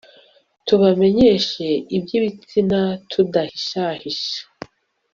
tubamenyeshe iby'ibitsina tudahishahisha